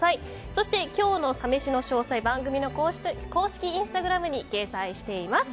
そして今日のサ飯の詳細は番組の公式インスタグラムに掲載しています。